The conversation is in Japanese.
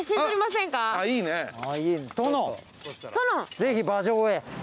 ぜひ馬上へ。